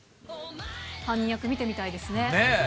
犯人役、見てみたいですね。